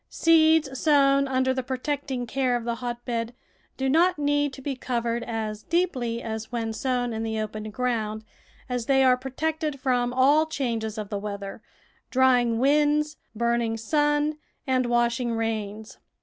Seeds sown under the protecting care of the hot bed do not need to be covered as deeply as when sown in the open ground, as they are protected from all changes of the weather, drying winds, burning sun, and washing rains.